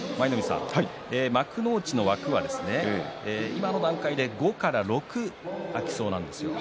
幕内の枠は今の段階で５から６空きそうなんですよ。